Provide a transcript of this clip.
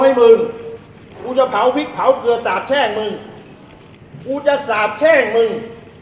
มึงกูจะเผาพริกเผาเกลือสาบแช่งมึงกูจะสาบแช่งมึง